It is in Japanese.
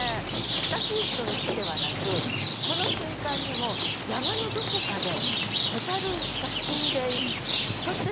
親しい人の死ではなくこの瞬間にも山のどこかで子猿が死んでそして